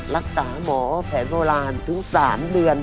รักษาหมอแผนโบราณถึง๓เดือน